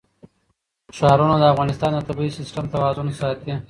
ښارونه د افغانستان د طبعي سیسټم توازن ساتي.